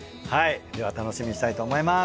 では楽しみにしたいと思います。